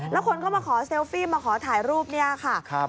แล้วคนก็มาขอเซลฟี่มาขอถ่ายรูปเนี่ยค่ะ